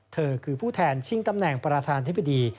เธอคือผู้แทนชิงตำแหน่งประธานธิบดี